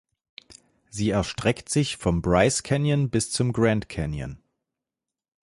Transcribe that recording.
Sie erstreckt sich vom Bryce Canyon bis zum Grand Canyon.